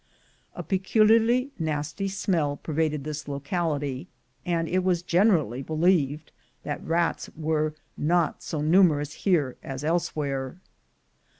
A peculiarly nasty smell pervaded this locality, and it was generally believed that rats were not so numerous here as elsewhere.